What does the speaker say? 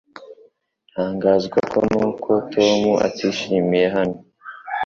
Ntangazwa nuko Tom atishimiye hano